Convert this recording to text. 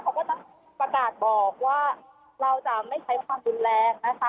เขาก็จะประกาศบอกว่าเราจะไม่ใช้ความรุนแรงนะคะ